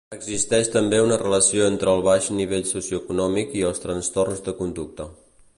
Existeix també una relació entre el baix nivell socioeconòmic i els trastorns de conducta.